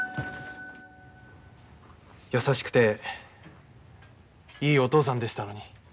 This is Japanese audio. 優しくていいお父さんでしたのに。